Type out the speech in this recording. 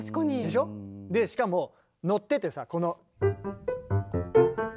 でしょ？でしかも乗っててさこの。